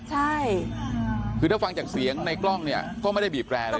ใช่คือถ้าฟังจากเสียงในกล้องเนี่ยก็ไม่ได้บีบแรร์อะไร